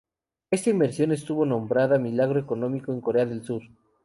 Esta inversión estuvo nombrada Milagro económico en Corea del Sur.